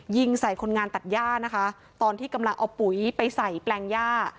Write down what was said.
ยิงใส่คนงานตัดย่านะคะตอนที่กำลังเอาปุ๋ยไปใส่แปลงย่า